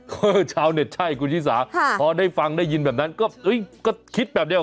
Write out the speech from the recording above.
ก็ชาวเน็ตใช่คุณชิสาพอได้ฟังได้ยินแบบนั้นก็คิดแบบเดียว